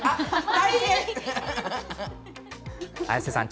綾瀬さん